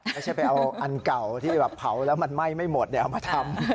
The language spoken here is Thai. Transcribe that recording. ไม่ใช่ไปเอาอันเก่าที่แบบเผาแล้วมันไหม้ไม่หมดเอามาทำ